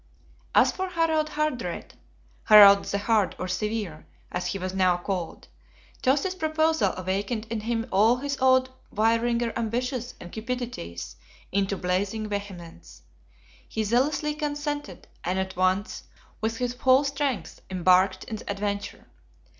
As for Harald Hardrade, "Harald the Hard or Severe," as he was now called, Tosti's proposal awakened in him all his old Vaeringer ambitious and cupidities into blazing vehemence. He zealously consented; and at once, with his whole strength, embarked in the adventure.